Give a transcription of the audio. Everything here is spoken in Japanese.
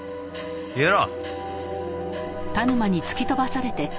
消えろ。